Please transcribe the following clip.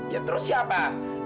ya terus siapa